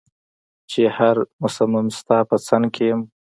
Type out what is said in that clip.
چي هر مسم ستا په څنګ کي يم